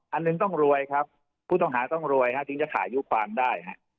อันหนึ่งต้องรวยครับผู้ต้องหาต้องรวยถึงจะขายุความได้